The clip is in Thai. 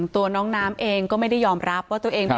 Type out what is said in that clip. ตัวน้องน้ำเองก็ไม่ได้ยอมรับว่าตัวเอง